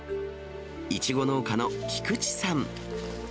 いちご農家の菊池さん。